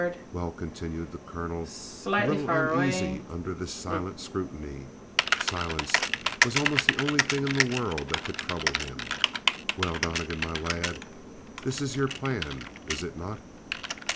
"Well," continued the colonel, a little uneasy under this silent scrutiny silence was almost the only thing in the world that could trouble him "well, Donnegan, my lad, this is your plan, is it not?"